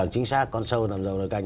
chính xác con sâu làm dầu nồi canh